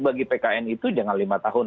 bagi pkn itu jangan lima tahun